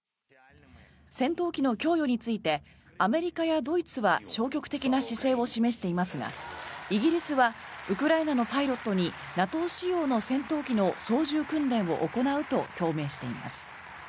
戦闘機の供与についてアメリカやドイツは消極的な姿勢を示していますがイギリスはウクライナのパイロットにＮＡＴＯ仕様の戦闘機の操縦訓練を行うと表明しています。